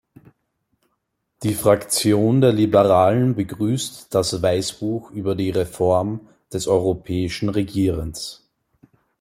Die Fraktion der Liberalen begrüßt das Weißbuch über die Reform des europäischen Regierens.